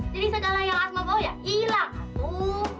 segala yang asma bawa ya hilang